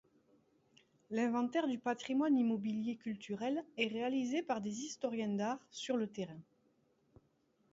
L’Inventaire du patrimoine immobilier culturel est réalisé par des historiens d’art sur le terrain.